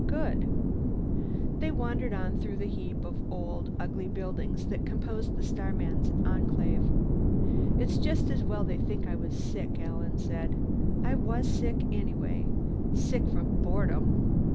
"Good." They wandered on through the heap of old, ugly buildings that composed the Starmen's Enclave. "It's just as well they think I was sick," Alan said. "I was, anyway. Sick from boredom."